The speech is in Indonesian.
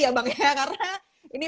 ya bang karena ini